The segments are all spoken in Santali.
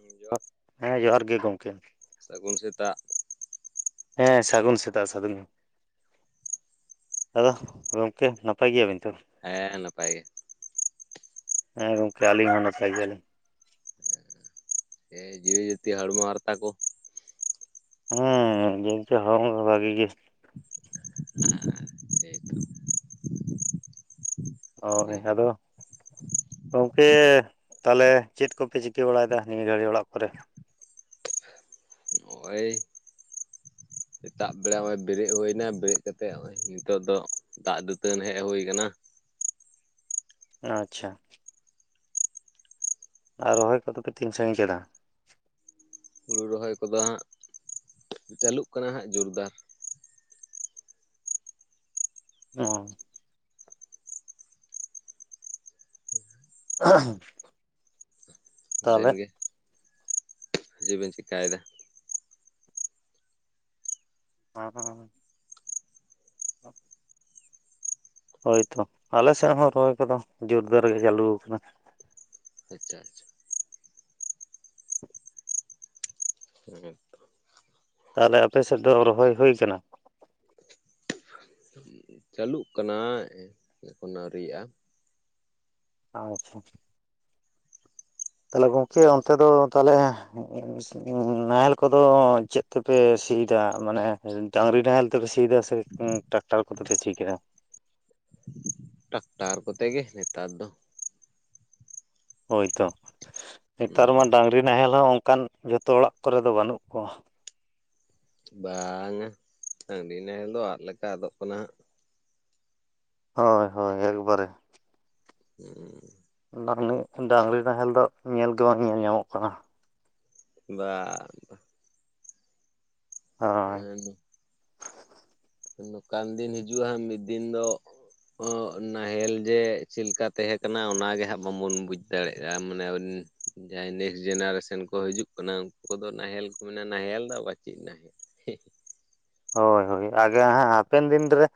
ᱦᱮᱸ ᱡᱚᱦᱟᱨ [inaudible] ᱦᱮᱸ ᱡᱚᱦᱟᱨ ᱜᱤ ᱜᱚᱝᱠᱮ ᱾ ᱥᱟᱹᱜᱩᱱ ᱥᱮᱛᱟᱜ ᱾ ᱦᱮᱸ ᱥᱟᱹᱜᱩᱱ ᱥᱮᱛᱟᱜ ᱥᱟᱹᱜᱩᱱ ᱟᱫᱚ ᱜᱚᱝᱠᱮ ᱱᱟᱯᱟᱭ ᱜᱮᱭᱟ ᱵᱤᱱ ᱛᱚ? ᱦᱮᱸ ᱱᱟᱯᱟᱭ ᱜᱮ ᱾ ᱦᱮᱸ ᱜᱚᱝᱠᱮ ᱟᱹᱞᱤᱧ ᱦᱚᱸ ᱱᱟᱯᱟᱭ ᱜᱮᱭᱟᱞᱤᱧ ᱾ [inaudible] ᱮ ᱡᱤᱣᱤ ᱡᱟᱛᱤ ᱦᱚᱲᱢᱚ ᱦᱟᱨᱛᱟ ᱠᱚ ᱾ [inaudible] ᱡᱤᱱᱛᱮ ᱦᱚᱲᱢᱚ ᱠᱚ ᱵᱷᱟᱜᱤ ᱜᱤ ᱾ [inaudible] ᱦᱚᱭ ᱟᱫᱚ ᱜᱚᱝᱠᱮ ᱛᱟᱞᱮ ᱪᱮᱫ ᱠᱚᱯᱮ ᱪᱤᱠᱟᱹ ᱵᱟᱲᱟᱭᱫᱟ ᱱᱤᱭᱟᱹ ᱜᱷᱟᱹᱲᱤ ᱚᱲᱟᱜ ᱠᱚᱨᱮ? ᱚᱭ [inaudible] [inaudible] ᱥᱮᱛᱟᱜ ᱵᱮᱲᱟ ᱢᱟ ᱵᱮᱨᱮᱫ ᱦᱳᱭᱱᱟ ᱵᱮᱨᱮᱫ ᱠᱟᱛᱮ ᱚᱸᱜ-ᱚᱭ ᱱᱤᱛᱳᱜ ᱫᱚ ᱫᱟᱜ ᱫᱟᱹᱛᱟᱹᱱᱩ ᱦᱮᱜ ᱦᱳᱭ ᱠᱟᱱᱟ ᱾ ᱟᱪᱪᱷᱟ ᱾ ᱟᱨ ᱨᱚᱦᱚᱭ ᱠᱚᱫᱚ ᱯᱮ ᱛᱤᱱ ᱥᱟᱺᱜᱤᱧ ᱠᱮᱫᱟ? ᱦᱩᱲᱩ ᱨᱚᱦᱚᱭ ᱠᱚᱫᱚ ᱦᱟᱸᱜ ᱪᱟᱹᱞᱩᱜ ᱠᱟᱱᱟ ᱦᱟᱸᱜ ᱡᱳᱨᱫᱟᱨ [inaudible] [inaudible] [unintelligible] ᱛᱟᱦᱚᱞᱮ ᱟᱵᱮᱱ ᱜᱮ [inaudible] ᱦᱟᱡᱩᱵᱤᱱ ᱪᱤᱠᱟᱭᱫᱟ? [inaudible] [inaudible] ᱦᱳᱭᱛᱚ ᱟᱞᱮ ᱥᱮᱜ ᱦᱚᱸ ᱨᱚᱦᱚᱭ ᱠᱚᱫᱚ ᱡᱳᱨᱫᱟᱨ ᱜᱮ ᱪᱟᱹᱞᱩ ᱠᱟᱱᱟ ᱾ ᱦᱮᱪᱟᱜ ᱪᱚ ᱦᱩᱸ ᱛᱚ ᱾ ᱛᱟᱦᱞᱮ ᱟᱯᱮ ᱥᱮᱫ ᱫᱚ ᱨᱚᱦᱚᱭ ᱦᱳᱭ ᱠᱟᱱᱟ? ᱪᱟᱹᱞᱩᱜ ᱠᱟᱱᱟ ᱮ ᱮᱠᱷᱚᱱ ᱟᱹᱣᱨᱤᱭᱟᱜᱼᱟ᱾ ᱟᱪᱪᱷᱟ ᱾ ᱛᱟᱞᱮ ᱜᱚᱝᱠᱮ ᱚᱱᱛᱮ ᱫᱚ ᱛᱟᱦᱞᱮ [inaudible] [inaudible] ᱱᱟᱦᱮᱞ ᱠᱚᱫᱚ ᱪᱮᱫ ᱛᱮᱯᱮ ᱥᱤ ᱫᱟ ᱢᱟᱱᱮ ᱰᱟᱝᱨᱤ ᱱᱟᱦᱮᱞ ᱛᱮᱯᱮ ᱥᱤ ᱫᱟ ᱥᱮ [inaudible] ᱴᱟᱠᱴᱟᱨ ᱠᱚᱛᱮ ᱯᱮ ᱥᱤ ᱠᱮᱫᱟ? ᱴᱟᱠᱴᱟᱨ ᱠᱚᱛᱮ ᱜᱮ ᱱᱮᱛᱟᱨ ᱫᱚ ᱾ ᱦᱳᱭᱛᱚ ᱱᱮᱛᱟᱨ ᱦᱩᱸ ᱢᱟ ᱰᱟᱹᱝᱨᱤ ᱱᱟᱦᱮᱞ ᱦᱚᱸ ᱚᱱᱠᱟᱱ ᱡᱚᱛᱚ ᱚᱲᱟᱜ ᱠᱚᱨᱮ ᱫᱚ ᱵᱟᱹᱱᱩᱜ ᱠᱚᱣᱟ ᱾ ᱵᱟᱝᱟ [inaudible] ᱦᱟᱰᱤ ᱱᱟᱦᱮᱞ ᱫᱚ ᱟᱜ ᱞᱮᱠᱟ ᱟᱫᱚᱜ ᱠᱟᱱᱟ ᱦᱟᱸᱜ ᱾ ᱦᱳᱭ ᱦᱳᱭ ᱮᱠᱵᱟᱨᱮ᱾ ᱦᱩᱸ᱾ ᱰᱟᱹᱝᱞᱤ ᱰᱟᱹᱝᱨᱤ ᱱᱟᱦᱮᱞ ᱫᱚ ᱧᱮᱞ ᱜᱮ ᱵᱟᱝ ᱧᱮᱞ ᱧᱟᱢᱚᱜ ᱠᱟᱱᱟ᱾ ᱵᱟ-ᱵᱟ᱾ ᱦᱳᱭ ᱮᱠᱫᱚᱢ᱾ [inaudible] ᱱᱚᱠᱟᱱ ᱫᱤᱱ ᱦᱤᱡᱩᱜᱼᱟ ᱦᱟᱸᱜ ᱢᱤᱫ ᱫᱤᱱ ᱫᱚ ᱚᱜ ᱱᱟᱦᱮᱞ ᱡᱮ ᱪᱮᱞᱮᱠᱟ ᱛᱟᱦᱮᱸ ᱠᱟᱱᱟ ᱚᱱᱟ ᱜᱮ ᱦᱟᱸᱜ ᱵᱟᱝᱵᱚᱱ ᱵᱩᱡ ᱫᱟᱲᱮᱜᱼᱟ ᱢᱟᱱᱮ ᱚᱱ ᱡᱟᱦᱟᱸᱭ ᱱᱮᱠᱥᱴ ᱡᱮᱱᱟᱨᱮᱥᱚᱱ ᱠᱚ ᱦᱤᱡᱩᱜ ᱠᱟᱱᱟ ᱩᱱᱠᱩ ᱠᱚᱫᱚ ᱱᱟᱦᱮᱞ ᱠᱚ ᱢᱮᱱᱟ, ᱱᱟᱦᱮᱞ ᱫᱚ ᱟᱵᱟᱨ ᱪᱮᱫ ᱱᱟᱦᱮᱞ? ᱦᱮᱸ᱾ ᱦᱳᱭ ᱦᱳᱭ ᱟᱜᱮ ᱦᱟᱸᱜ ᱦᱟᱯᱮᱱ ᱫᱤᱱ ᱨᱮ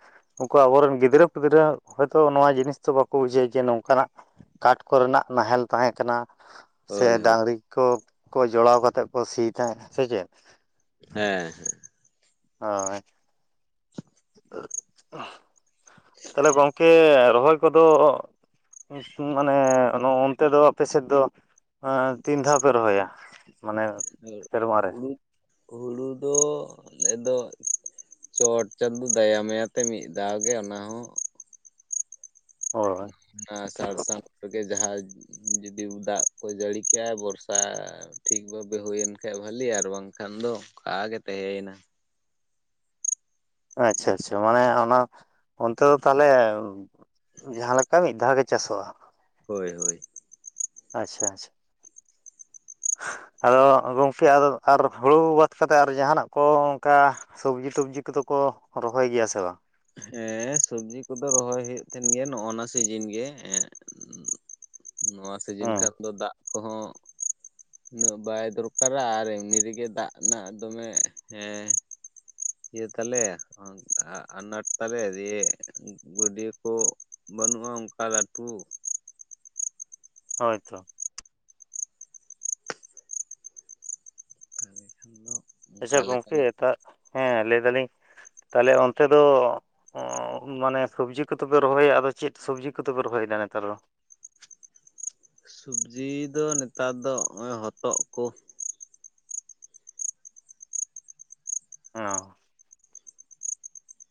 ᱩᱱᱠᱩ ᱟᱵᱚᱨᱮᱱ ᱜᱤᱫᱽᱨᱟᱹ-ᱯᱤᱫᱽᱨᱟᱹ ᱦᱚᱭᱛᱳ ᱱᱚᱣᱟ ᱡᱤᱱᱤᱥ ᱛᱚ ᱵᱟᱠᱚ ᱵᱩᱡᱷᱟᱹᱣᱟ ᱡᱮ ᱱᱚᱝᱠᱟᱱᱟᱜ᱾ ᱠᱟᱴᱷ ᱠᱚᱨᱮᱱᱟᱜ ᱱᱟᱦᱮᱞ ᱛᱟᱦᱮᱸ ᱠᱟᱱᱟ᱾ ᱥᱮ ᱦᱳᱭ ᱦᱳᱭ ᱰᱟᱝᱨᱤ ᱠᱚ ᱠᱚ ᱡᱚᱲᱟᱣ ᱠᱟᱛᱮ ᱠᱚ ᱥᱤ ᱛᱟᱦᱮᱸᱜ ᱥᱮ ᱪᱮᱫ? ᱦᱮᱸ ᱦᱮᱸ᱾ ᱦᱳᱭ᱾ [unintelligible] ᱛᱟᱦᱚᱞᱮ ᱜᱚᱝᱠᱮ ᱨᱚᱦᱚᱭ ᱠᱚᱫᱚ ᱢᱟᱱᱮ ᱚᱱᱛᱮ ᱫᱚ ᱟᱯᱮ ᱥᱮᱫ ᱫᱚ ᱛᱤᱱ ᱫᱷᱟᱣ ᱯᱮ ᱨᱚᱦᱚᱭᱟ? ᱢᱟᱱᱮ ᱥᱮᱨᱢᱟ ᱨᱮ ᱦᱩᱲᱩ-ᱦᱩᱲᱩ ᱫᱚ ᱟᱞᱮ ᱫᱚ ᱪᱚᱴ ᱪᱟᱸᱫᱳ ᱫᱟᱭᱟ ᱢᱟᱭᱟ ᱛᱮ ᱢᱤᱫ ᱫᱷᱟᱣ ᱜᱮ ᱚᱱᱟ ᱦᱚ ᱦᱳᱭ ᱚᱱᱟ ᱟᱥᱟᱲ ᱥᱟᱱ ᱠᱚᱨᱮᱜᱮ ᱡᱟᱦᱟᱸ ᱡᱩᱫᱤ ᱫᱟᱜ ᱠᱚ ᱡᱟᱹᱲᱤ ᱠᱮᱜᱼᱟᱭ ᱵᱚᱨᱥᱟ ᱴᱷᱤᱠ ᱵᱷᱟᱵᱮ ᱦᱩᱭᱮᱱ ᱠᱷᱟᱡ ᱵᱷᱟᱹᱞᱤ ᱟᱨ ᱵᱟᱝᱠᱷᱟᱱ ᱫᱚ ᱚᱠᱟ ᱜᱮ ᱛᱟᱷᱮᱭᱮᱱᱟ᱾ ᱟᱪᱪᱷᱟ ᱟᱪᱪᱷᱟ ᱢᱟᱱᱮ ᱚᱱᱟ ᱚᱱᱛᱮ ᱫᱚ ᱛᱟᱦᱚᱞᱮ ᱡᱟᱦᱟ ᱞᱮᱠᱟ ᱢᱤᱫ ᱫᱷᱟᱣ ᱜᱮ ᱪᱟᱥᱚᱜ-ᱟ᱾ ᱦᱳᱭ ᱦᱳᱭ᱾ ᱟᱪᱪᱷᱟ ᱟᱪᱪᱷᱟ᱾ ᱟᱫᱚ ᱜᱚᱢᱠᱮ ᱟᱫᱚ ᱟᱨ ᱦᱳᱲᱳ ᱵᱟᱫ ᱠᱟᱛᱮᱫ ᱟᱨᱚ ᱡᱟᱦᱟᱱᱟᱜ ᱠᱚ ᱚᱱᱠᱟ ᱥᱚᱵᱽᱡᱤ ᱴᱚᱵᱡᱤ ᱠᱚᱫᱚ ᱠᱚ ᱨᱚᱦᱚᱭ ᱜᱮᱭᱟ ᱥᱮ ᱵᱟᱝ? ᱦᱮᱸ ᱥᱚᱵᱡᱤ ᱠᱚᱫᱚ ᱨᱚᱦᱚᱭ ᱦᱩᱭᱩᱜ ᱛᱟᱦᱮᱸᱱ ᱜᱮᱭᱟ ᱱᱚᱜᱼᱚ ᱱᱟ ᱥᱤᱡᱤᱱ ᱜᱮ ᱮᱸ ᱱᱚᱣᱟ ᱥᱤᱡᱤᱱ ᱦᱩᱸ ᱠᱷᱟᱱ ᱫᱚ ᱫᱟᱜ ᱠᱚᱦᱚᱸ ᱩᱱᱟᱹᱜ ᱵᱟᱭ ᱫᱚᱨᱠᱟᱨᱟ, ᱟᱨ ᱮᱢᱱᱤ ᱨᱮᱜᱮ ᱫᱟᱜ ᱨᱮᱱᱟᱜ ᱫᱚᱢᱮ ᱦᱮᱸ ᱤᱭᱟᱹ ᱛᱟᱦᱞᱮ ᱟᱱ-ᱟ-ᱟᱱᱟᱴ ᱛᱟᱞᱮ ᱫᱤᱭᱮ ᱜᱩᱰᱤᱭᱟᱹ ᱠᱚ ᱵᱟᱹᱱᱩᱜᱼᱟ ᱚᱱᱠᱟ ᱞᱟᱹᱴᱩ᱾ ᱦᱳᱭ ᱛᱚ᱾ [inaudible] ᱟᱪᱪᱷᱟ ᱚᱱᱠᱟ ᱞᱮᱠᱟ ᱜᱚᱝᱠᱮ ᱫᱚ ᱛᱟ ᱦᱮᱸ ᱞᱟᱹᱭ ᱫᱟᱞᱤᱧ ᱛᱟᱦᱚᱞᱮ ᱚᱱᱛᱮ ᱫᱚ ᱚᱸ ᱢᱟᱱᱮ ᱥᱚᱵᱽᱡᱤ ᱠᱚᱫᱚ ᱯᱮ ᱨᱚᱦᱚᱭᱟ, ᱟᱫᱚ ᱪᱮᱫ ᱥᱚᱵᱽᱡᱤ ᱠᱚᱫᱚᱯᱮ ᱨᱚᱦᱚᱭᱫᱟ ᱱᱮᱛᱟᱨ ᱫᱚ? ᱥᱚᱵᱡᱤ ᱫᱚ ᱱᱮᱛᱟᱨ ᱫᱚ ᱦᱚᱸᱜᱼᱚᱭ ᱦᱚᱛᱚᱜ ᱠᱚ᱾ ᱚᱸ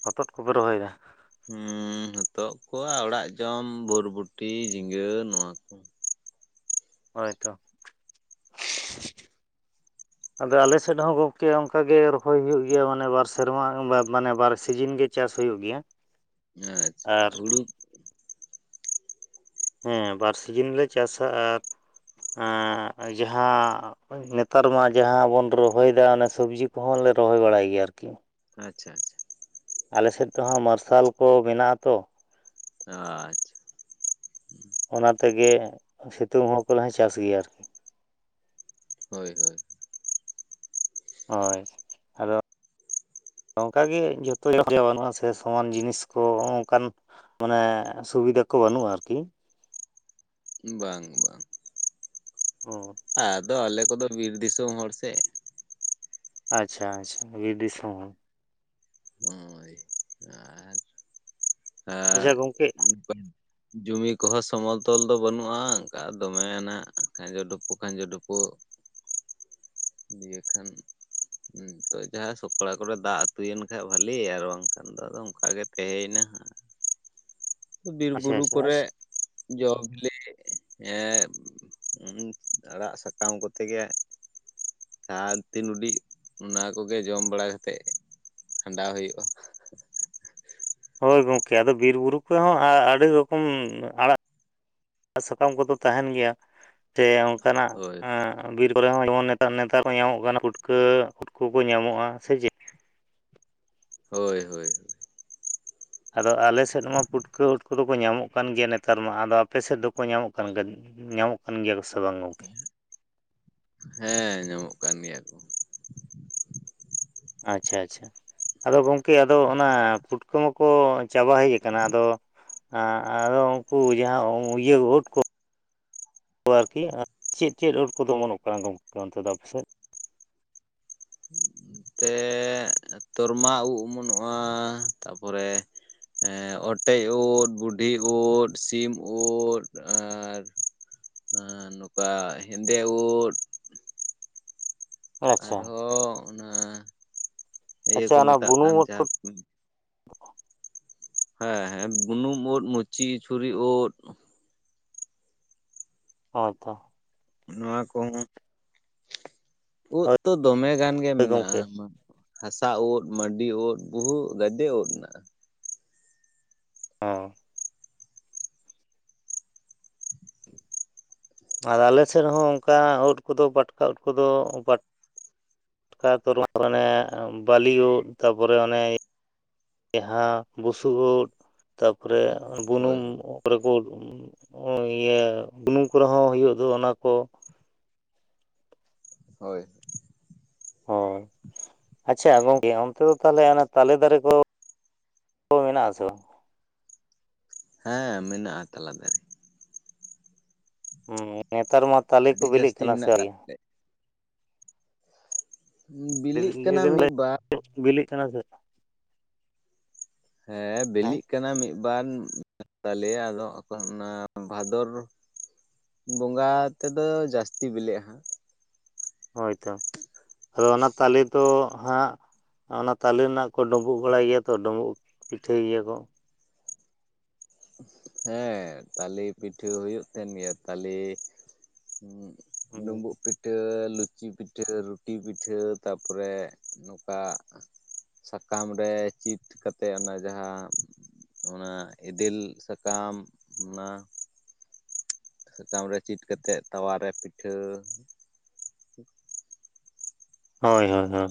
ᱦᱚᱛᱚᱫ ᱠᱚᱯᱮ ᱨᱚᱦᱚᱭ ᱫᱟ? ᱦᱮᱸ ᱦᱚᱛᱚᱜ ᱠᱚ ᱟᱨ ᱚᱲᱟᱜ ᱡᱚᱢ ᱵᱷᱚᱨᱵᱩᱚᱴ, ᱡᱷᱤᱸᱜᱟᱹ ᱱᱚᱣᱟᱠᱩ᱾ ᱦᱳᱭ ᱛᱚ᱾ ᱟᱫᱚ ᱟᱞᱮ ᱥᱮᱫ ᱦᱚᱸ ᱜᱚᱢᱠᱮ ᱚᱱᱠᱟᱜᱮ ᱨᱚᱦᱚᱭ ᱦᱩᱭᱩᱜ ᱜᱮᱭᱟ ᱢᱟᱱᱮ ᱵᱟᱨ ᱥᱮᱨᱢᱟ ᱵᱟ-ᱢᱟᱱᱮ ᱵᱟᱨ ᱥᱤᱡᱤᱱ ᱜᱮ᱾ ᱪᱟᱥ ᱦᱩᱭᱩᱜ ᱜᱮᱭᱟ᱾ ᱟᱪᱪᱷᱟ ᱟᱨ ᱦᱩᱲᱩ ᱦᱮᱸ ᱵᱟᱨ ᱥᱤᱡᱤᱱᱞᱮ ᱪᱟᱥᱟ ᱟᱨ ᱮᱸᱻ ᱡᱟᱦᱟᱸ ᱱᱮᱛᱟᱨ ᱢᱟ ᱡᱟᱦᱟᱸ ᱵᱚᱱ ᱨᱚᱦᱚᱭ ᱮᱫᱟ ᱚᱱᱮ ᱥᱚᱵᱽᱡᱤ ᱠᱚᱦᱚᱸ ᱞᱮ ᱨᱚᱦᱚᱭ ᱵᱟᱲᱟᱭ ᱜᱮᱭᱟ ᱟᱨᱠᱤ, ᱟᱪᱪᱷᱟ ᱟᱪᱪᱷᱟ ᱟᱞᱮ ᱥᱮᱫ ᱛᱮᱦᱚᱸ ᱢᱟᱨᱥᱟᱞ ᱠᱚ ᱢᱮᱱᱟᱜᱼᱟ ᱛᱚ ᱾ ᱟᱪᱪᱷᱟ ᱚᱱᱟ ᱛᱮᱜᱮ ᱥᱤᱛᱩᱝ ᱦᱚᱸ ᱠᱚᱞᱮ ᱪᱟᱥ ᱜᱮᱭᱟ ᱟᱨᱠᱤ, ᱦᱳᱭ ᱦᱳᱭ ᱾ ᱦᱚᱭ ᱟᱫᱚ, ᱱᱚᱝᱠᱟᱜᱮ ᱡᱷᱚᱛᱚ [unintelligible] ᱵᱟᱹᱱᱩᱜᱼᱟ ᱥᱮ ᱥᱚᱢᱟᱱ ᱡᱤᱱᱤᱥ ᱠᱚ ᱱᱚᱝᱠᱟᱱ, ᱢᱟᱱᱮ ᱥᱩᱵᱤᱫᱟ ᱠᱚ ᱵᱟᱹᱱᱩᱜᱼᱟ ᱟᱨᱠᱤ, ᱵᱟᱝ ᱵᱟᱝ ᱚ ᱟᱫᱚ ᱟᱞᱮ ᱠᱚᱫᱚ ᱵᱤᱨ ᱫᱤᱥᱚᱢ ᱦᱚᱲ ᱥᱮ, ᱟᱪᱪᱷᱟ ᱟᱪᱪᱷᱟ ᱵᱤᱨ ᱫᱤᱥᱚᱢ ᱦᱚᱲ, ᱦᱳᱭ ᱟᱨ ᱦ ᱟᱪᱪᱷᱟ ᱜᱚᱝᱠᱮ ᱡᱩᱢᱤ ᱠᱚᱦᱚᱸ ᱥᱚᱢᱚ ᱛᱚᱞ ᱫᱚ ᱵᱟᱹᱱᱩᱜᱼᱟ ᱚᱱᱠᱟ ᱫᱚᱢᱮᱭᱟᱱᱟᱜ ᱠᱷᱟᱸᱡᱚ ᱰᱩᱯᱩ ᱠᱷᱟᱸᱡᱚ ᱰᱩᱯᱩᱜ [inaudible] ᱫᱤᱭᱮᱹ ᱠᱷᱟᱱ [unintelligible] ᱡᱟᱦᱟᱸ ᱥᱚᱠᱲᱟ ᱠᱚᱨᱮ ᱫᱟᱜ ᱟᱛᱩᱭᱮᱱ ᱠᱷᱟᱱᱡ ᱵᱷᱟᱞᱤ ᱟᱨ ᱵᱟᱝᱠᱷᱟᱱ ᱫᱚ ᱟᱫᱚ ᱚᱱᱠᱟ ᱜᱮ ᱛᱟᱦᱮᱸᱭᱮᱱᱟ ᱦᱟᱜ ᱾ ᱵᱤᱨ ᱟᱪᱪᱷᱟ ᱵᱩᱨᱩ ᱟᱪᱪᱷᱟ ᱠᱚᱨᱮ ᱟᱪᱪᱷᱟ ᱡᱚ ᱵᱤᱞᱤ, ᱦᱮᱸ ᱟᱲᱟᱜ ᱥᱟᱠᱟᱢ ᱠᱚᱛᱮ ᱜᱮ, [unintelligible] ᱩᱰᱤ ᱚᱱᱟ ᱠᱚᱜᱮ ᱡᱚᱢ ᱵᱟᱲᱟ ᱠᱟᱛᱮ ᱠᱷᱟᱸᱰᱟᱣ ᱦᱩᱭᱩᱜᱼᱟ ᱾ ᱦᱳᱭ ᱜᱚᱝᱠᱮ ᱟᱫᱚ ᱵᱤᱨ ᱵᱩᱨᱩ ᱠᱚ ᱦᱚᱸ ᱟᱹᱰᱤ ᱨᱚᱠᱚᱢ ᱟᱲᱟᱜ ᱟᱲᱟᱜ ᱥᱟᱠᱟᱢ ᱠᱚᱫᱚ ᱛᱟᱦᱮᱱ ᱜᱮᱭᱟ ᱡᱮ ᱚᱱᱠᱟᱱᱟᱜ ᱦᱳᱭ ᱮ ᱵᱤᱨ ᱠᱚᱨᱮ ᱦᱚᱸ ᱡᱮᱢᱚᱱ ᱱᱮᱛᱟᱨ ᱱᱮᱛᱟᱨ ᱦᱚᱸ ᱧᱟᱢᱚᱜ ᱠᱟᱱᱟ ᱯᱷᱩᱴᱠᱟᱹ ᱯᱷᱩᱴᱠᱟᱹ ᱠᱚ ᱧᱟᱢᱚᱜᱼᱟ ᱥᱮ ᱪᱮᱫ ᱾ ᱦᱳᱭ ᱦᱳᱭ ᱦᱳᱭ ᱾ ᱟᱫᱚ ᱟᱞᱮ ᱥᱮᱫ ᱢᱟ ᱯᱩᱴᱠᱟᱹ ᱩᱴ ᱠᱚᱫᱚ ᱠᱚ ᱧᱟᱢᱚᱜ ᱠᱟᱱ ᱜᱮᱭᱟ ᱱᱮᱛᱟᱨ ᱢᱟ ᱟᱫᱚ ᱟᱯᱮᱥᱮᱫ ᱫᱚᱠᱚ ᱧᱟᱢᱚᱜ ᱠᱟᱱ ᱧᱟᱢᱚᱜ ᱠᱟᱱ ᱜᱮᱭᱟ ᱥᱮ ᱵᱟᱝ ᱜᱚᱝᱠᱮ? ᱦᱮᱸ ᱧᱟᱢᱚᱜ ᱠᱟᱱ ᱜᱮᱭᱟ ᱠᱚ ᱾ ᱟᱪᱪᱷᱟ ᱟᱪᱪᱷᱟ ᱾ ᱟᱫᱚ ᱜᱚᱝᱠᱮ ᱟᱫᱚ ᱚᱱᱟ ᱯᱩᱴᱠᱟᱹ ᱢᱟᱠᱚ ᱪᱟᱵᱟ ᱦᱮᱡ ᱟᱠᱟᱱᱟ ᱟᱫᱚ ᱟ ᱟᱫᱚ ᱩᱱᱠᱩ ᱡᱟᱦᱟᱸ ᱤᱭᱟᱹ ᱩᱫ ᱠᱚ ᱫᱚ ᱟᱨᱠᱤ ᱪᱮᱫ ᱪᱮᱫ ᱩᱫ ᱠᱚᱫᱚ ᱚᱢᱚᱱᱚᱜ ᱠᱟᱱᱟ ᱜᱚᱝᱠᱮ ᱚᱱᱛᱮ ᱫᱚ ᱟᱯᱟᱥᱮᱡ? ᱛᱮ ᱛᱚᱨᱢᱟ ᱩᱵ ᱚᱢᱚᱱᱚᱜᱼᱟ, ᱛᱟᱨᱯᱚᱨᱮ ᱮᱸ ᱚᱴᱮᱡ ᱩᱫ ᱵᱩᱰᱷᱤ ᱩᱫ ᱥᱤᱢ ᱩᱫ ᱟᱨ ᱦᱮᱸ ᱱᱚᱝᱠᱟ ᱦᱮᱸᱫᱮ ᱩᱫ ᱟᱪᱪᱷᱟ ᱟᱨᱦᱚᱸ ᱚᱱᱟ ᱤᱭᱟᱹ ᱟᱪᱪᱷᱟ ᱠᱚ ᱚᱱᱟ ᱢᱮᱛᱟᱜ ᱵᱩᱱᱩᱢ ᱠᱟᱱ ᱩᱫ ᱠᱚ ᱡᱟᱦᱟᱸ ᱦᱮᱸ ᱦᱮᱸ ᱵᱩᱱᱩᱢ ᱩᱫ ᱢᱩᱪᱤ ᱪᱷᱩᱨᱤ ᱩᱸᱫ ᱦᱳᱭ ᱛᱚ ᱾ ᱱᱚᱣᱟ ᱠᱚ ᱩᱫ ᱦᱳᱭ ᱛᱚ ᱫᱚᱢᱮ ᱜᱟᱱ ᱜᱮ ᱜᱚᱢᱠᱮ ᱢᱮᱱᱟᱜᱼᱟ ᱾ ᱦᱟᱥᱟ ᱩᱫ ᱢᱟᱹᱰᱤ ᱩᱫ ᱵᱩᱦᱩ ᱜᱟᱫᱮ ᱩᱫ ᱢᱮᱱᱟᱜᱼᱟ ᱾ ᱦᱮᱸ ᱟᱨ ᱟᱞᱮ ᱥᱮᱫ ᱦᱚᱸ ᱚᱱᱠᱟ ᱩᱫ ᱠᱚᱫᱚ ᱯᱟᱴᱠᱟ ᱩᱴ ᱠᱚᱫᱚ ᱚᱠᱟ ᱥᱛᱚᱨ ᱚᱱᱮ ᱵᱟᱞᱤᱭᱝ ᱛᱟᱨᱯᱚᱨᱮ ᱚᱱᱮ ᱡᱟᱦᱟᱸ ᱵᱩᱥᱩᱵ ᱳᱫ ᱛᱟᱯᱚᱨᱮ ᱦᱳᱭ ᱵᱩᱱᱩᱢ, ᱠᱚᱨᱮ ᱠᱚ, ᱤᱭᱟᱹ ᱵᱩᱱᱩᱢ ᱠᱚᱨᱮ ᱦᱚᱸ ᱦᱳᱭᱳᱜ ᱫᱚ ᱚᱱᱟ ᱠᱚ, ᱦᱳᱭ ᱾ ᱚ, ᱟᱪ--ᱪᱷᱟ ᱜᱚᱝᱠᱮ ᱚᱱᱛᱮ ᱫᱚ ᱛᱟᱞᱦᱮ ᱚᱱᱟ ᱛᱟᱞᱮᱹ ᱫᱟᱨᱮᱹᱠᱚ, ᱦᱳᱭ ᱚᱱᱟ ᱟᱥᱚᱨ ᱾ ᱦᱮᱸ, ᱢᱮᱱᱟᱜᱼᱟ ᱛᱟᱞᱟ ᱛᱮ ᱾ ᱦᱩ, ᱱᱮᱛᱟᱨ ᱢᱟ ᱛᱟᱞᱮᱹ ᱠᱚ ᱟᱹᱰᱤ ᱵᱮᱹᱞᱮᱹᱜ ᱡᱟᱹᱥᱛᱤ ᱠᱟᱱᱟ ᱥᱮ ᱢᱮᱱᱟᱜ ᱟᱠᱟᱫ ᱟᱭᱟ? ᱵᱤᱞᱤᱜ ᱠᱟᱱᱟ ᱢᱤᱫ ᱵᱟᱨ ᱾ ᱵᱮᱹᱞᱮᱹᱜ ᱠᱟᱱᱟ ᱥᱮ? ᱦᱮᱸ, ᱵᱮᱹᱞᱤᱜ ᱠᱟᱱᱟ ᱢᱤᱫᱵᱟᱨ ᱾ ᱛᱟᱞᱮᱭᱟ ᱟᱫᱚ, ᱚᱫᱚ ᱚᱱᱟ ᱵᱷᱟᱫᱚᱨᱼᱼ ᱵᱚᱸᱜᱟ ᱛᱮᱫᱚ ᱡᱟᱥᱛᱤ ᱵᱮᱹᱞᱮᱹᱜ ᱟ ᱦᱟᱸᱜ ᱾ ᱦᱳᱭᱛᱚ, ᱟᱫᱚ ᱚᱱᱟ ᱛᱟᱞᱮᱹ ᱫᱚ ᱦᱟᱸᱜᱼᱼ ᱚᱱᱟ ᱛᱟᱞᱮᱹ ᱨᱮᱱᱟᱜ ᱠᱚ ᱰᱳᱸᱵᱩᱜ ᱵᱟᱲᱟᱭ ᱜᱮᱭᱟ ᱛᱚ, ᱰᱳᱸᱵᱩᱜ ᱯᱤᱴᱷᱟᱹᱭ ᱜᱮᱭᱟ ᱠᱚ ᱾ ᱦᱮᱸ, ᱛᱟᱞᱮᱹ ᱯᱤᱴᱷᱟᱹ ᱦᱳᱭᱳᱜ ᱛᱟᱦᱮᱱ ᱜᱮᱭᱟ ᱛᱟᱞᱮᱹ---ᱼ ᱰᱳᱸᱢᱵᱳᱜ ᱯᱤᱴᱷᱟᱹ ᱞᱩ ᱪᱤ ᱯᱤᱴᱷᱟᱹ ᱨᱩᱴᱤ ᱯᱤᱴᱷᱟᱹ ᱛᱟᱯᱚᱨᱮ ᱱᱚᱝᱠᱟᱼᱼᱼ ᱥᱟᱠᱟᱢ ᱨᱮ ᱪᱤᱴ ᱠᱟᱛᱮ ᱚᱱᱟ ᱡᱟᱦᱟᱸ ᱚᱱᱟ ᱤᱫᱼᱼ ᱫᱤᱞ ᱥᱟᱠᱟᱢ ᱚᱱᱟ ᱥᱟᱠᱟᱢ ᱨᱮ ᱪᱤᱴ ᱠᱟᱛᱮᱜ ᱛᱟᱣᱟᱨᱮ ᱯᱤᱴᱷᱟᱹᱼᱼ ᱥᱤ-ᱥᱤ -ᱥᱤᱦ-ᱥᱤ-ᱥᱤ -ᱥᱤᱜ ᱦ ᱾ ᱦᱳᱭ -ᱦᱳᱭ -ᱦᱳᱭ,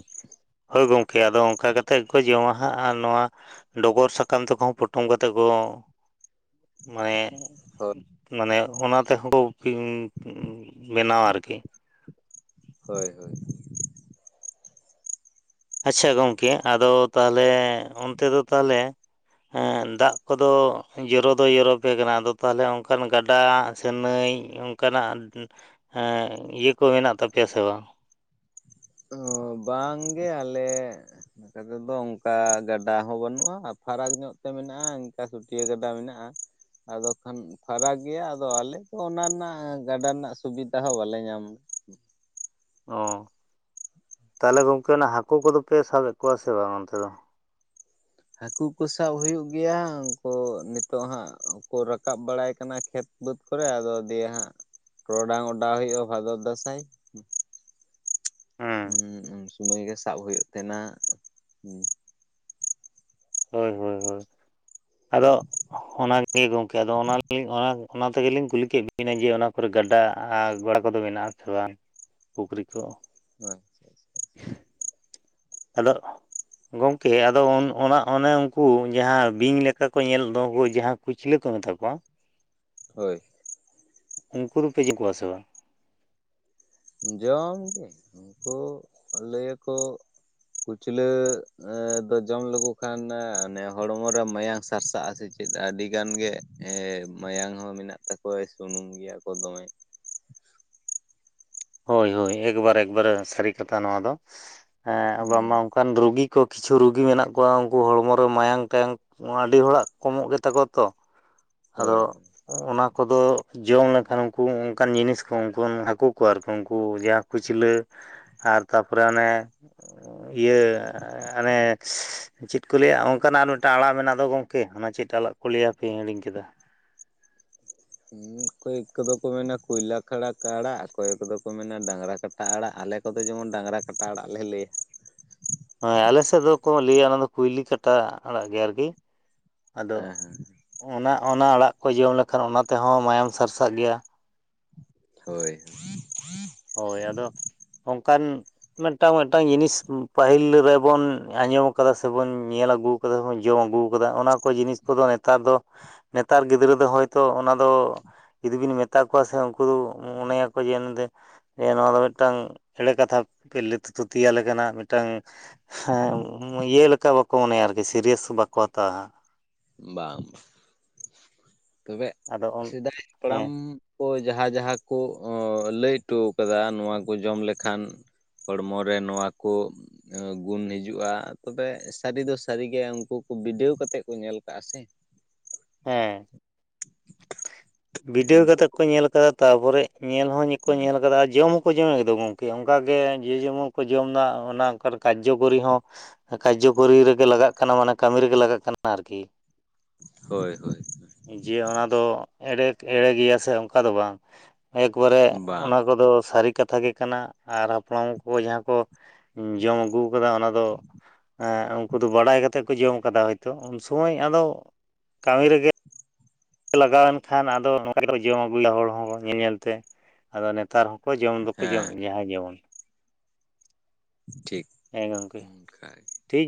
ᱦᱳᱭ ᱜᱚᱝᱠᱮ ᱟᱫᱚ ᱚᱝᱠᱟ ᱠᱟᱛᱮᱜ ᱜᱮ ᱠᱚ ᱡᱚᱢᱟ ᱦᱟᱸᱜ ᱟᱨ ᱱᱚᱣᱟ ᱰᱚᱜᱚᱨ ᱥᱟᱠᱟᱢ ᱛᱮᱠᱚ ᱯᱚᱴᱚᱢ ᱠᱟᱛᱮ ᱠᱚ ᱢᱟᱱᱮᱼᱼ ᱦᱳᱭ ᱢᱟᱱᱮ ᱚᱱᱟ ᱛᱮᱦᱚᱸ ᱠᱚ ᱯᱦᱤᱝ ᱩᱷ ᱵᱮᱱᱟᱣ ᱟ ᱟᱨᱠᱤ ᱾ ᱦᱳᱭ ᱦᱳᱭ ᱾ ᱟᱪᱪᱷᱟ ᱜᱚᱝᱠᱮ ᱟᱫᱚ ᱛᱟᱦᱞᱮ ᱚᱱᱛᱮ ᱫᱚ ᱛᱟᱦᱞᱮ? ᱮᱸ ᱫᱟᱜ ᱠᱚᱫᱚ ᱡᱚᱨᱚ ᱫᱚᱭ ᱡᱚᱨᱚᱯᱮ ᱠᱟᱱᱟ ᱟᱫᱚ ᱛᱟᱦᱞᱮ ᱚᱱᱠᱟᱱ ᱜᱟᱰᱟ ᱥᱮ ᱱᱟᱹᱭ? ᱚᱱᱠᱟ ᱱᱟᱜ ᱤᱭᱟᱹ ᱠᱚ ᱦᱮᱱᱟᱜ ᱛᱟᱯᱮᱭᱟ ᱥᱮ ᱵᱟᱝ? ᱚᱷᱦᱚ ᱵᱟᱝᱜᱮ ᱟᱞᱮᱼᱼ ᱱᱚᱝᱛᱮᱫᱚ ᱚᱱᱠᱟ ᱜᱟᱰᱟ ᱦᱚᱸ ᱵᱟᱱᱩᱜᱼᱟ ᱯᱷᱟᱨᱟᱠ ᱧᱚᱜ ᱛᱮ ᱢᱮᱱᱟᱜᱼᱟ ᱤᱱᱠᱟ ᱥᱩᱛᱭᱟᱹ ᱜᱟᱰᱟ ᱢᱮᱱᱟᱜᱼᱟ ᱾ ᱟᱫᱚ ᱠᱷᱟᱱ ᱩᱷ ᱯᱷᱟᱨᱟᱠ ᱜᱮᱭᱟ ᱟᱫᱚ ᱟᱞᱮ ᱷ ᱚᱱᱟ ᱨᱮᱱᱟᱜ ᱜᱟᱰᱟ ᱨᱮᱱᱟᱜ ᱥᱩᱵᱤᱛᱟ ᱦᱚᱸ ᱵᱟᱞᱮ ᱧᱟᱢ ᱾ ᱚ, ᱛᱟᱞᱦᱮ ᱜᱚᱝᱠᱮ ᱚᱱᱟ ᱦᱟᱠᱩ ᱠᱚᱫᱚ ᱯᱮ ᱥᱟᱵᱮᱫ ᱠᱚᱣᱟ ᱥᱮ ᱵᱟᱝ ᱚᱱᱛᱮ ᱫᱚ? ᱦᱟᱠᱩ ᱠᱚ ᱥᱟᱵ ᱦᱩᱭᱩᱜ ᱜᱮᱭᱟ ᱩᱱᱠᱩ ᱱᱤᱛᱚᱜ ᱦᱟᱸᱜ ᱠᱚ ᱨᱟᱠᱟᱵ ᱵᱟᱲᱟᱭ ᱠᱟᱱᱟ ᱠᱷᱮᱛ ᱵᱟᱹᱫᱽ ᱠᱚᱨᱮ, ᱟᱫᱚ ᱫᱤᱭᱮ ᱦᱟᱸᱜ ᱴᱚᱨᱚᱰᱟᱝ ᱚᱰᱟᱣ ᱦᱩᱭᱩᱜᱼᱟ ᱵᱷᱟᱫᱚᱨ ᱫᱟᱸᱥᱟᱭ ᱾ ᱪᱚᱜ ᱦᱮᱸ ᱩᱸ ᱩᱱᱥᱚᱢᱚᱭ ᱜᱮ ᱥᱟᱵ ᱦᱩᱭᱩᱜ ᱛᱟᱦᱮᱱᱟ, ᱦᱩ ᱾ ᱦᱳᱭ ᱦᱳᱭ ᱦᱳᱭ, ᱟᱫᱚ ᱚᱱᱟ ᱟᱨᱠᱤ ᱜᱚᱢᱠᱮ ᱟᱫᱚ ᱚᱱᱟᱞᱤᱧ ᱚᱱᱟᱼᱼᱼ ᱚᱱᱟ ᱛᱮᱜᱮᱞᱤᱧ ᱠᱩᱞᱤ ᱠᱮᱫ ᱵᱮᱤᱱᱟ ᱡᱮ ᱚᱱᱟ ᱠᱚᱨᱮ ᱜᱟᱰᱟ ᱟᱨ ᱜᱚᱲᱟ ᱠᱚᱫᱚ ᱢᱮᱱᱟᱜᱼᱟ ᱥᱮ ᱵᱟᱝ? ᱯᱩᱠᱷᱨᱤ ᱠᱚ? ᱟᱪᱪᱷᱟ ᱟᱪᱪᱷᱟ ᱾ ᱟᱫᱚᱜ ᱷ ᱜᱚᱢᱠᱮ ᱟᱫᱚ ᱚᱱ ᱚᱱᱟ ᱚᱱᱮ ᱩᱱᱠᱩ ᱡᱟᱦᱟᱸ ᱵᱤᱧ ᱞᱮᱠᱟ ᱠᱚ ᱧᱮᱞ ᱫᱚ ᱦᱳᱭ ᱡᱟᱦᱟᱸ ᱠᱩᱪᱞᱟᱹ ᱠᱚ ᱢᱮᱛᱟ ᱠᱚᱣᱟ ᱦᱳᱭ ᱾ ᱩᱱᱠᱩ ᱫᱚᱯᱮ ᱡᱚᱢ ᱠᱚᱣᱟ ᱥᱮ ᱵᱟᱝ? ᱡᱚᱢᱜᱮ ᱩᱱᱠᱩ ᱞᱟᱹᱭᱟᱠᱚ ᱠᱩᱪᱞᱟᱹ ᱫᱚ ᱡᱚᱢ ᱞᱮᱠᱚ ᱠᱷᱟᱱ ᱚᱱᱮ ᱦᱚᱲᱢᱚᱨᱮ ᱢᱟᱭᱟᱝ ᱥᱟᱨᱥᱟᱜᱼᱟᱥ ᱪᱮᱫ? ᱪᱮᱫ ᱟᱹᱰᱤ ᱜᱟᱱ ᱜᱮ ᱮ ᱢᱟᱭᱟᱝ ᱦᱚᱸ ᱢᱮᱱᱟᱜ ᱛᱟᱠᱚᱣᱟ ᱥᱩᱱᱩᱢ ᱜᱮᱭᱟ ᱠᱚ ᱫᱚᱢᱮ᱾ ᱦᱳᱭ ᱦᱳᱭ ᱮᱠᱵᱟᱨ ᱮᱠᱵᱟᱨᱮ ᱥᱟᱹᱨᱤ ᱠᱟᱛᱷᱟ ᱱᱚᱣᱟ ᱫᱚ ᱮ ᱟ ᱦᱩᱸ ᱵᱟᱝᱢᱟ ᱚᱱᱠᱟᱱ ᱨᱩᱜᱤ ᱠᱚ ᱠᱤᱪᱷᱩ ᱨᱩᱜᱤ ᱢᱮᱱᱟᱜ ᱠᱚᱣᱟ ᱩᱱᱠᱩ ᱦᱚᱲᱢᱚ ᱨᱮ ᱢᱟᱭᱟᱝ ᱴᱟᱭᱟᱝ ᱟᱹᱰᱤ ᱦᱚᱲᱟᱜ ᱠᱚᱢᱚᱜ ᱜᱮᱛᱟ ᱠᱚᱣᱟ ᱛᱚ᱾ ᱟᱫᱚ ᱦᱳᱭ ᱚᱱᱟ ᱠᱚᱫᱚ ᱡᱚᱢ ᱞᱮᱠᱷᱟᱱ ᱩᱱᱠᱩ ᱚᱱᱠᱟᱱ ᱡᱤᱱᱤᱥ ᱠᱚ ᱩᱱ ᱵᱚᱱ ᱦᱟᱹᱠᱩ ᱠᱚᱣᱟ ᱟᱨᱠᱤ ᱩᱱᱠᱩ ᱡᱟᱦᱟᱸ ᱠᱩᱪᱞᱟᱹ ᱟᱨ ᱛᱟᱨᱯᱚᱨᱮ ᱚᱱᱮ ᱤᱭᱟᱹ ᱦᱟᱱᱮ ᱪᱮᱫ ᱠᱚ ᱞᱟᱹᱭᱟ ᱚᱱᱠᱟᱱᱟᱜ ᱟᱨ ᱢᱤᱫᱴᱟᱝ ᱟᱲᱟᱜ ᱢᱮᱱᱟᱜ ᱫᱚ ᱜᱚᱝᱠᱮ ᱚᱱᱟ ᱪᱮᱫ ᱟᱲᱟᱜ ᱠᱚ ᱞᱟᱹᱭᱟ ᱦᱟᱯᱮᱧ ᱦᱤᱲᱤᱧ ᱠᱮᱫᱟ᱾ ᱚᱠᱚᱭ ᱠᱚᱫᱚ ᱠᱚ ᱢᱮᱱᱟ ᱠᱩᱭᱞᱟ ᱠᱷᱟᱲᱟ ᱟᱲᱟᱜ ᱚᱠᱚᱭᱮᱠ ᱠᱚᱫᱚ ᱠᱚ ᱢᱮᱱᱟ ᱰᱟᱝᱨᱟ ᱠᱟᱴ ᱟᱲᱟᱜ ᱟᱞᱮ ᱠᱚᱫᱚ ᱡᱮᱢᱚᱱ ᱰᱟᱝᱨᱟ ᱠᱟᱴᱟ ᱟᱲᱟᱜ ᱞᱮ ᱞᱟᱹᱭᱟ᱾ ᱦᱮᱸ ᱟᱞᱮ ᱥᱮᱫ ᱫᱚ ᱠᱚ ᱞᱟᱹᱭᱟ ᱚᱱᱟ ᱫᱚ ᱠᱩᱭᱞᱤ ᱠᱟᱴᱟ ᱟᱲᱟᱜ ᱜᱮ ᱟᱨᱠᱤ᱾ ᱟᱫᱚ ᱦᱮᱸ ᱦᱮᱸ ᱚᱱᱟ ᱚᱱᱟ ᱟᱲᱟᱜ ᱠᱚ ᱡᱚᱢ ᱞᱮᱠᱷᱟᱱ ᱚᱱᱟ ᱛᱮᱦᱚᱸ ᱢᱟᱭᱟᱢ ᱥᱟᱨᱥᱟᱜ ᱜᱮᱭᱟ᱾ ᱦᱳᱭ᱾ ᱦᱳᱭ ᱟᱫᱚ ᱚᱱᱠᱟᱱ ᱢᱤᱫᱴᱟᱝ ᱢᱤᱫᱴᱟᱝ ᱡᱤᱱᱤᱥ ᱯᱟᱹᱦᱤᱞ ᱨᱮᱵᱩᱱ ᱟᱸᱡᱚᱢ ᱟᱠᱟᱫᱟ ᱥᱮᱵᱚᱱ ᱧᱮᱞ ᱟᱹᱜᱩ ᱛᱚᱵᱮ ᱵᱚᱱ ᱡᱚᱢ ᱟᱹᱜᱩ ᱠᱟᱫᱟ ᱚᱱᱟ ᱠᱚ ᱡᱤᱱᱤᱥ ᱠᱚᱫᱚ ᱱᱮᱛᱟᱨ ᱫᱚ᱾ ᱱᱮᱛᱟᱨ ᱜᱤᱫᱽᱨᱟᱹ ᱫᱚ ᱦᱚᱭᱛᱚ ᱚᱱᱟᱫᱚ ᱡᱩᱫᱤ ᱵᱤᱱ ᱢᱮᱛᱟ ᱠᱚᱣᱟ ᱥᱮ ᱩᱱᱠᱩ ᱫᱚ ᱢᱚᱱᱮᱭᱟᱠᱚ ᱡᱮ ᱱᱚᱸᱰᱮ ᱡᱮ ᱱᱚᱣᱟ ᱫᱚ ᱢᱤᱫᱴᱟᱝ ᱮᱲᱮ ᱠᱟᱛᱷᱟ ᱯᱮ ᱛᱷᱩᱛᱤ ᱭᱟᱞᱮ ᱠᱟᱱᱟ ᱢᱤᱫᱴᱟᱝ ᱦᱮᱸ ᱤᱭᱟᱹ ᱞᱮᱠᱟ ᱵᱟᱠᱚ ᱢᱚᱱᱮᱭᱟ ᱟᱨᱠᱤ ᱥᱤᱨᱭᱟᱥ ᱵᱟᱠᱚ ᱦᱟᱛᱟᱣᱟ᱾ ᱵᱟᱝ ᱛᱚᱵᱮ ᱟᱫᱚ ᱥᱮᱫᱟᱭ ᱦᱟᱯᱲᱟᱢ᱾ ᱦᱮᱸ ᱠᱚ ᱡᱟᱦᱟᱸ ᱡᱟᱦᱟᱸ ᱠᱚ ᱚᱸ ᱞᱟᱹᱭ ᱦᱚᱴᱚ ᱠᱟᱫᱟ ᱱᱚᱣᱟ ᱠᱚ ᱡᱚᱢ ᱞᱮᱠᱷᱟᱱ᱾ ᱦᱚᱲᱢᱚᱨᱮ ᱱᱚᱣᱟᱠᱚ ᱜᱩᱱ ᱦᱤᱡᱩᱜ-ᱟ ᱛᱚᱵᱮ ᱥᱟᱹᱨᱤ ᱫᱚ ᱥᱟᱹᱨᱤ ᱜᱮ ᱩᱱᱠᱩ ᱠᱚ ᱵᱤᱰᱟᱹᱣ ᱠᱟᱛᱮᱜ ᱠᱚ ᱧᱮᱞ᱾ ᱠᱟᱜ-ᱟ ᱥᱮ᱾ ᱦᱮᱸ ᱵᱤᱰᱟᱹᱭ ᱩᱱᱠᱩ ᱠᱟᱛᱮ ᱠᱚ ᱧᱮᱞ ᱠᱟᱫᱟ ᱛᱟᱯᱚᱨᱮ ᱧᱮᱞ ᱦᱚᱸ ᱧᱮᱞ ᱠᱚ ᱧᱮᱞ ᱠᱟᱫᱟ ᱡᱚᱢ ᱠᱚ ᱡᱚᱢ ᱠᱮᱫᱟ ᱜᱚᱢᱠᱮ ᱚᱱᱠᱟ ᱜᱮ ᱡᱮ ᱡᱮᱢᱚᱱ ᱠᱚ ᱡᱚᱢ ᱫᱟ ᱚᱱᱟ ᱚᱱᱠᱟᱱ ᱠᱟᱨᱡᱚᱠᱚᱨᱤ ᱦᱚᱸ ᱠᱟᱨᱡᱚᱚᱠᱚᱨᱤ ᱨᱮᱜᱮ ᱞᱟᱜᱟᱜ ᱠᱟᱱᱟ ᱢᱟᱱᱮ ᱠᱟᱹᱢᱤ ᱨᱮᱜᱮ ᱞᱟᱜᱟᱜ ᱠᱟᱱᱟ ᱟᱨᱠᱤ᱾ ᱦᱳᱭ ᱦᱳᱭ᱾ ᱡᱮ ᱚᱱᱟ ᱫᱚ ᱮᱲᱮᱴ ᱮᱲᱮ ᱜᱮᱭᱟ ᱥᱮ ᱚᱱᱠᱟ ᱫᱚ ᱵᱟᱝ? ᱮᱠᱵᱟᱨᱮ ᱵᱟᱝ ᱚᱱᱟ ᱠᱚᱫᱚ ᱥᱟᱹᱨᱤ ᱠᱟᱛᱷᱟ ᱜᱮ᱾ ᱠᱟᱱᱟ ᱟᱨ ᱦᱟᱯᱲᱟᱢ ᱠᱚ ᱡᱟᱦᱟᱸ ᱠᱚ ᱡᱚᱢ ᱟᱹᱜᱩ ᱚᱱᱟ ᱫᱚ ᱩᱱᱠᱩ ᱫᱚ ᱵᱟᱰᱟᱭ ᱠᱟᱛᱮ ᱠᱚ ᱡᱚᱢ ᱠᱟᱫᱟ ᱦᱚᱭᱛᱚ ᱩᱱ ᱥᱚᱢᱚᱭ ᱟᱫᱚ ᱠᱟᱹᱢᱤ ᱨᱮᱜᱮ᱾ ᱞᱟᱜᱟᱣᱮᱱ ᱠᱷᱟᱱ ᱟᱫᱚ ᱚᱱᱠᱟ ᱜᱮ ᱡᱚᱢ ᱟᱹᱜᱩᱭᱟ ᱦᱚᱲ ᱦᱚᱸ ᱧᱮᱞ ᱧᱮᱞ ᱛᱮ, ᱟᱫᱚ ᱱᱮᱛᱟᱨ ᱦᱚᱸ᱾ ᱠᱚ ᱡᱚᱢ ᱫᱚᱠᱚ ᱦᱮᱸ ᱡᱚᱢᱮᱜ ᱜᱮᱭᱟ ᱡᱟᱦᱟᱸᱭ ᱡᱮᱢᱚᱱ᱾ ᱴᱷᱤᱠ᱾ ᱦᱮᱸ ᱜᱚᱝᱠᱮ᱾ ᱠᱷᱟᱡ᱾ ᱴᱷᱤᱠ